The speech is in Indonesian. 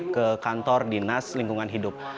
ke kantor dinas lingkungan hidup